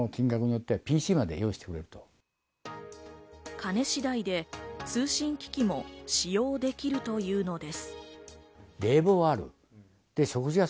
金しだいで通信機器も使用できるというのです。